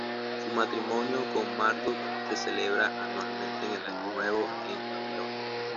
Su matrimonio con Marduk se celebraba anualmente en el Año Nuevo en Babilonia.